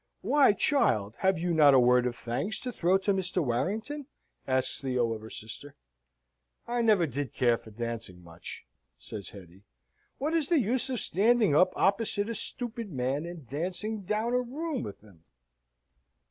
"Why, child, have you not a word of thanks to throw to Mr. Warrington?" asks Theo of her sister. "I never did care for dancing much," says Hetty. "What is the use of standing up opposite a stupid man, and dancing down a room with him?"